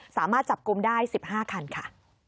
สามารถจับกลุ่มได้๑๕คันค่ะ